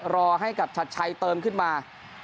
รอให้กับชัดชัยเติมขึ้นมา